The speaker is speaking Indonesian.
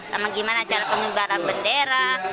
sama gimana cara pengibaran bendera